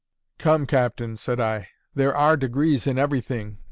"Come, Captain," said I, "there are degrees in everything.